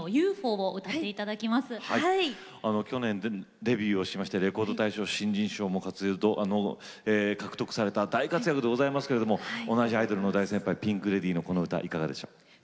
去年デビューをしましてレコード大賞新人賞も獲得された大活躍でございますけれども同じアイドルの大先輩ピンク・レディーのこの歌いかがでしょう？